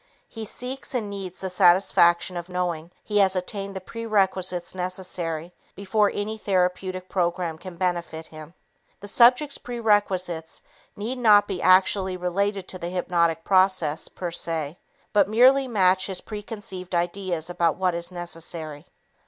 He seeks and needs the satisfaction of knowing he has attained the prerequisites necessary before any therapeutic program can benefit him. The subject's prerequisites need not be actually related to the hypnotic process, per se, but merely match his preconceived ideas about what is necessary.